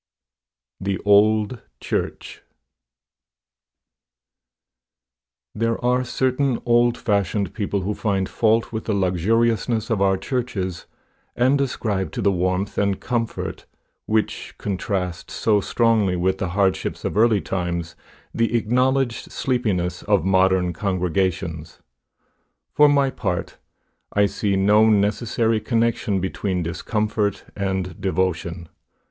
THE OLD CHURCH. There are certain old fashioned people who find fault with the luxuriousness of our churches, and ascribe to the warmth and comfort, which contrast so strongly with the hardships of early times, the acknowledged sleepiness of modern congregations. For my part, I see no necessary connection between discomfort and devotion.